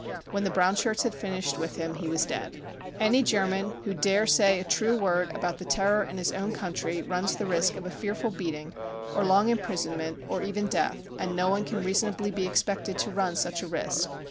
When the Brown Shirts had finished with him he was dead. t 254 BROWN BOOK OF THE HITLER TERROR " Any German who dare say a true word about the Terror in his own country runs the risk of a fearful beating, or long imprisonment or even death, and no one can reasonably be expected to run such a risk.